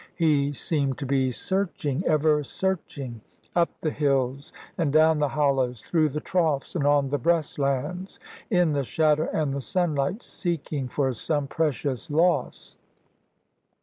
He seemed to be searching, ever searching, up the hills and down the hollows, through the troughs and on the breastlands, in the shadow and the sunlight, seeking for some precious loss.